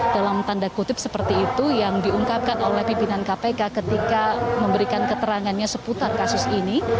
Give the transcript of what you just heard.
dalam tanda kutip seperti itu yang diungkapkan oleh pimpinan kpk ketika memberikan keterangannya seputar kasus ini